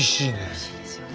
厳しいですよね。